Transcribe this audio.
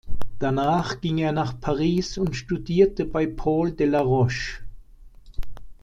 Danach ging er nach Paris und studierte bei Paul Delaroche.